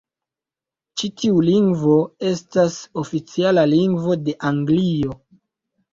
Ĉi tiu lingvo estis oficiala lingvo de Anglio.